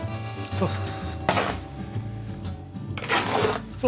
そうそうそうそう。